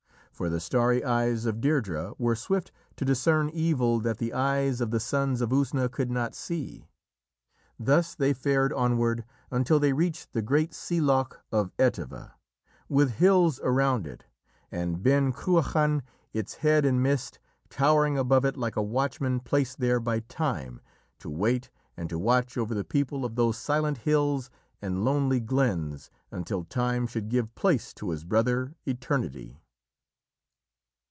For the starry eyes of Deirdrê were swift to discern evil that the eyes of the Sons of Usna could not see. Thus they fared onward until they reached the great sea loch of Etive, with hills around it, and Ben Cruachan, its head in mist, towering above it like a watchman placed there by Time, to wait and to watch over the people of those silent hills and lonely glens until Time should give place to his brother, Eternity.